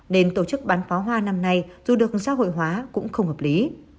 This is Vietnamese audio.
nên tổ chức bán pháo hoa năm nay dù được xã hội hóa cũng không hợp lý